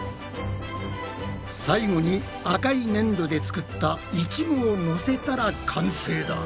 最後に赤いねんどで作ったいちごをのせたら完成だ！